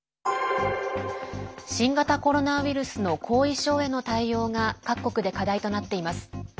新型コロナウイルスの後遺症への対応が各国で課題となっています。